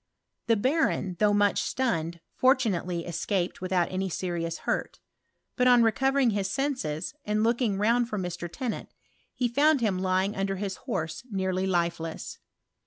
The barony though much stunned, fortunately escaped without Any serious hurt ; but on recovering his senses, anf loukin^ round for Mr. Tcnnant, he found him lying undiThis horse nearly lifeless.